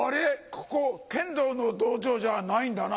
ここ剣道の道場じゃないんだな。